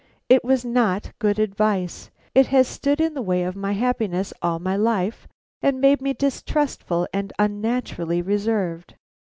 It was not good advice; it has stood in the way of my happiness all my life, made me distrustful and unnaturally reserved.